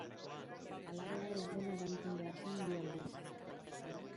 Halabeharrez dena erantzun behar zen bi aldiz.